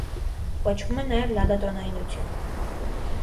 Կոչվում է նաև լադատոնայնություն։